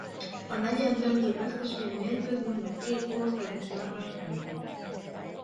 A negyeddöntők vesztesei mérkőznek meg két országos táblás helyért.